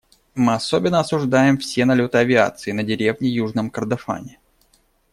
Мы особенно осуждаем все налеты авиации на деревни в Южном Кордофане.